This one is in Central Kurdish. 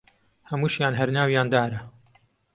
هەمووشیان هەر ناویان دارە